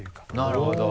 なるほど。